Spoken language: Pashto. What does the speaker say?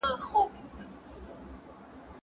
موږ باید د سیل لپاره پیسې وسپموو.